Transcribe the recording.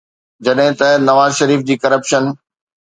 جڏهن ته نواز شريف جي ڪرپشن